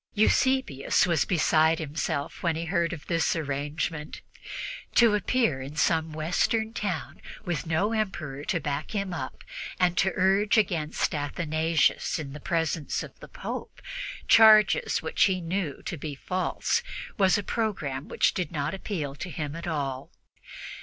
Eusebius was beside himself when he heard of this arrangement. To appear in some Western town, with no Emperor to back him up, and to urge against Athanasius, in the presence of the Pope, charges which he knew to be false, was a program which did not appeal to him at all.